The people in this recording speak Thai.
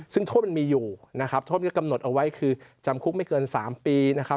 ซึ่งโทษมันมีอยู่นะครับโทษมันก็กำหนดเอาไว้คือจำคุกไม่เกิน๓ปีนะครับ